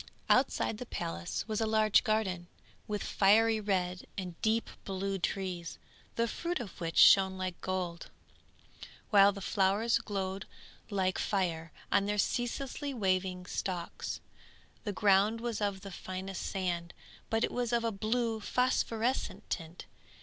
_] Outside the palace was a large garden, with fiery red and deep blue trees, the fruit of which shone like gold, while the flowers glowed like fire on their ceaselessly waving stalks. The ground was of the finest sand, but it was of a blue phosphorescent tint.